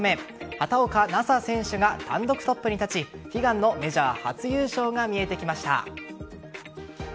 畑岡奈紗選手が単独トップに立ち悲願のメジャー初優勝が見えてきました。